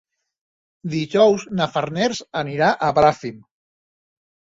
Dijous na Farners anirà a Bràfim.